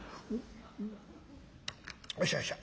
「よっしゃよっしゃ。